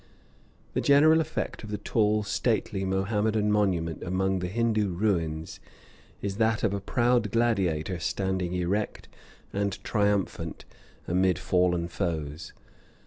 The general effect of the tall, stately Mohammedan monument among the Hindoo ruins is that of a proud gladiator standing erect and triumphant amid fallen foes.